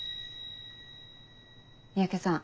三宅さん